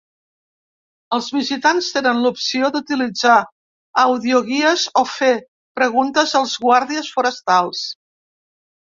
Els visitants tenen l'opció d'utilitzar audioguies o fer preguntes als guàrdies forestals.